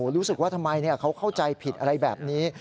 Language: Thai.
รู้สึกว่าทำไมเขาเข้าใจผิดอะไรแบบนี้